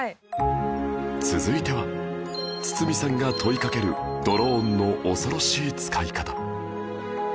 続いては堤さんが問いかけるドローンの恐ろしい使い方